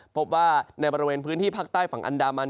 พบว่าในบริเวณพื้นที่ภาคใต้ฝั่งอันดามัน